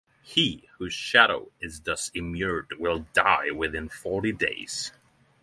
He whose shadow is thus immured will die within forty days.